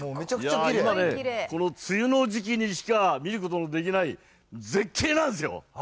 今、この梅雨の時期にしか見ることのできない絶景なんですよ。